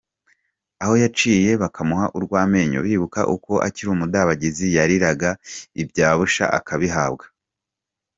Aho aciye bakamuha urw’amenyo bibuka uko akiri umudabagizi yaririraga ibya Busha akabihabwa.